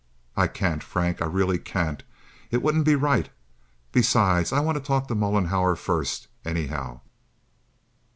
I can't, Frank. I really can't. It wouldn't be right. Besides, I want to talk to Mollenhauer first, anyhow."